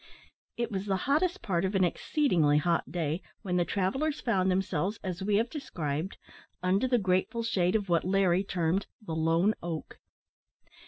It was the hottest part of an exceedingly hot day when the travellers found themselves, as we have described, under the grateful shade of what Larry termed the "lone oak."